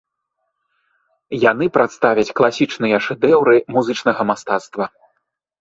Яны прадставяць класічныя шэдэўры музычнага мастацтва.